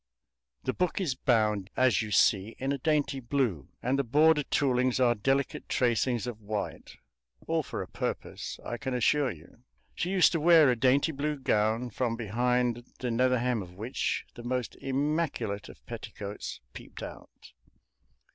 The book is bound, as you see, in a dainty blue, and the border toolings are delicate tracings of white all for a purpose, I can assure you. She used to wear a dainty blue gown, from behind the nether hem of which the most immaculate of petticoats peeped out.